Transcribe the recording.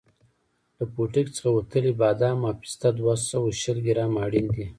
له پوټکي څخه وتلي بادام او پسته دوه سوه شل ګرامه اړین دي.